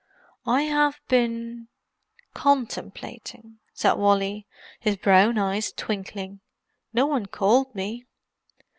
"I have been—contemplating," said Wally, his brown eyes twinkling. "No one called me."